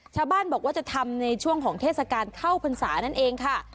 ชาวบ้านบอกว่าจะทำในช่วงของเทศกาลเข้าพรรษานั่นเองค่ะ